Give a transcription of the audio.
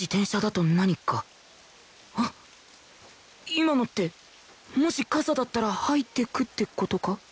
今のってもし傘だったら入ってくって事か？